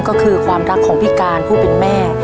ก็คือความรักของพี่การผู้เป็นแม่